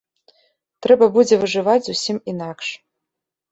Трэба будзе выжываць зусім інакш.